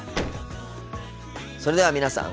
それでは皆さん